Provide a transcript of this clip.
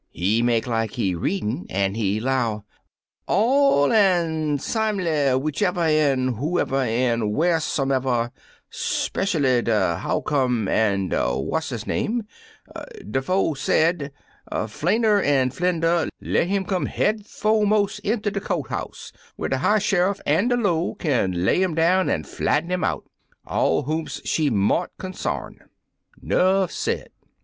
He make like he readin', an' he 'low, 'AH an' simely, whichever, an' whoever, an' wharsomever, speshually de howcome an' de whatshis name, de 'fo' said, flainter an' flender, le' 'im come headfo'most inter de court house, whar de high she'ff an' de low kin lay 'im down an' flatten 'im out; all whomst she mought consam. 'Nough said.'